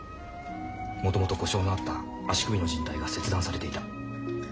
もともと故障のあった足首のじん帯が切断されていた。